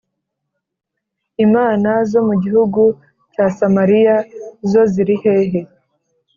Imana zo mu gihugu cya Samariya zo ziri hehe ?